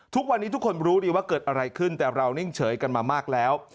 ทุกวันนี้ทุกคนรู้ดีว่าเกิดอะไรขึ้นแต่เรานิ่งเฉยกันมามากแล้ว